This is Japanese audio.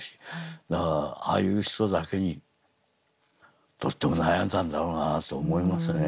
だからああいう人だけにとっても悩んだんだろうなと思いますね。